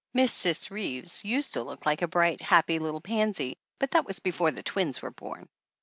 Miss Cis Reeves used to look like a bright, happy little pansy, but that was before the twins were born.